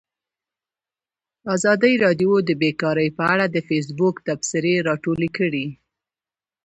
ازادي راډیو د بیکاري په اړه د فیسبوک تبصرې راټولې کړي.